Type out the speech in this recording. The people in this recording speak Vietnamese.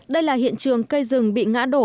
đây là hiện trường cây rừng bị ngã đổ